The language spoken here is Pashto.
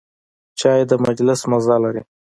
چای د مجلس مزه لري.